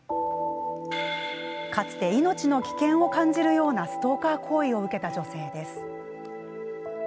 かつて命の危険を感じるようなストーカー行為を受けた女性です。